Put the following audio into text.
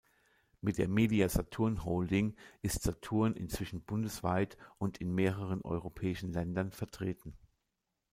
Mit der Media-Saturn-Holding ist Saturn inzwischen bundesweit und in mehreren europäischen Ländern vertreten.